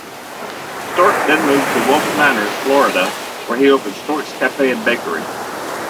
Stork then moved to Wilton Manors, Florida; where he opened Stork's Cafe and Bakery.